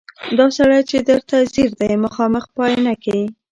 دا سړی چي درته ځیر دی مخامخ په آیینه کي